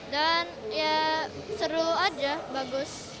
dan ya seru aja bagus